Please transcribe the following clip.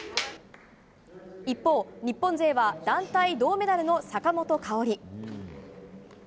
一方、日本勢は団体銅メダルの坂本花織。